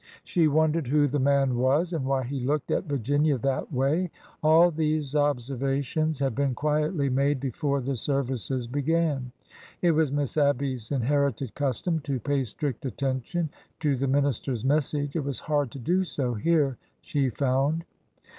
She wondered who the man was and why he looked at Virginia that way. All these observations had been quietly made before the services began. It was Miss Abby's inherited custom to pay strict attention to the minister's message. It was hard to do so here, she found.